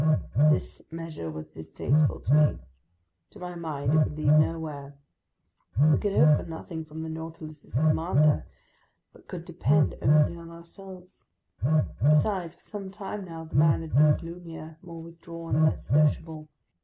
This measure was distasteful to me. To my mind it would lead nowhere. We could hope for nothing from the Nautilus's commander but could depend only on ourselves. Besides, for some time now the man had been gloomier, more withdrawn, less sociable.